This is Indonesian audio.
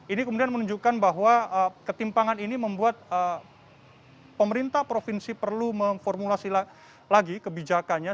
ini kemudian menunjukkan bahwa ketimpangan ini membuat pemerintah provinsi perlu memformulasi lagi kebijakannya